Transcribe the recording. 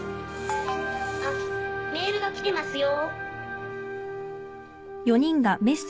あっメールが来てますよ。